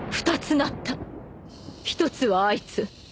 一つはあいつ。